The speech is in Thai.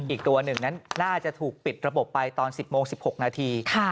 อีกตัวหนึ่งนั้นน่าจะถูกปิดระบบไปตอน๑๐โมง๑๖นาที